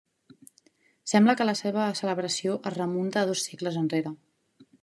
Sembla que la seva celebració es remunta a dos segles enrere.